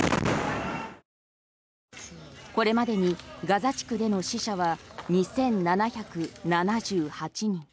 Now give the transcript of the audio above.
これまでにガザ地区での死者は２７７８人。